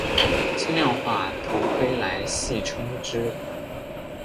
轻量化头盔来戏称之。